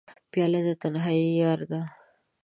پیاله د تنهایۍ یاره ده.